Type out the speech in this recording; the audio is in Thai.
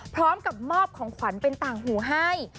พร้อมกับมอบของขวัญเป็นต่างหูให้